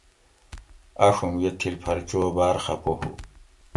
آۤڛوم یہ تھِل پھر چو باۤر خفہ ہُو